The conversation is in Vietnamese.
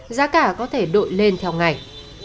giá cả có thể đội lên theo ngạch